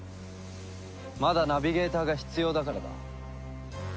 まだナビゲーターが必要だからだ。